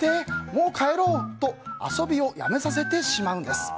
もう帰ろうと遊びをやめさせてしまうんです。